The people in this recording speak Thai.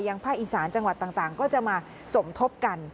ภาคอีสานจังหวัดต่างก็จะมาสมทบกัน